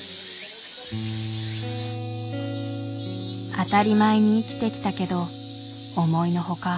当たり前に生きてきたけど思いのほか